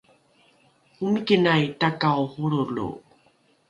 omikinai takao holrolo